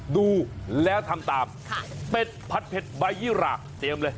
ดูแล้วทำตามเป็ดผัดเผ็ดใบยี่หราเตรียมเลย